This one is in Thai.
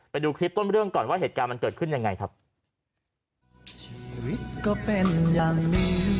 ไปดูคลิปต้นเรื่องก่อนว่าเหตุการณ์มันเกิดขึ้นยังไงครับ